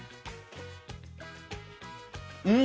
うん！